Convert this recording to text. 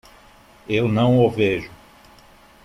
Eu não o vejo.